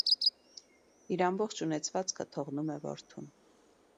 Իր ամբողջ ունեցվածքը թողնում է որդուն։